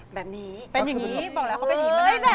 เป็นคนแบบนี้อยู่หรือเปล่า